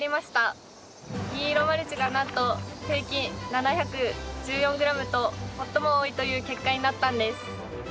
銀色マルチがなんと平均７１４ｇと最も多いという結果になったんです。